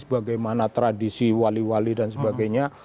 bagaimana tradisi wali wali dan sebagainya